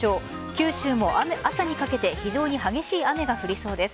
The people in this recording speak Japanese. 九州も朝にかけて非常に激しい雨が降りそうです。